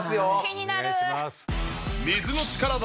気になる！